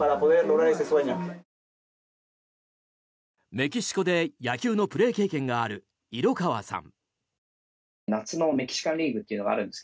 メキシコで野球のプレー経験がある色川さん。